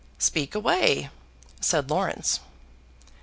"Speak away," said Laurence.